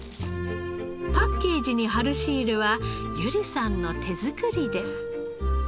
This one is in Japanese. パッケージに貼るシールは由里さんの手作りです。